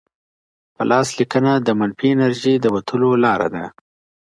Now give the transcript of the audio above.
په لاس لیکلنه د منفي انرژی د وتلو لاره ده.